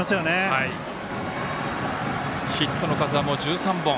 ヒットの数はもう１３本。